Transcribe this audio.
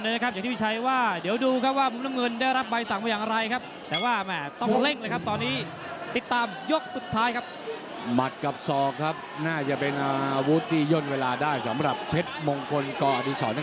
๓นาทีสุดท้ายนะครับถ้าโดนเข้าไปที่หล่นได้ด้วยนะพี่ฟ้า